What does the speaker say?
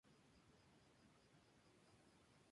Está tratada en peligro de extinción.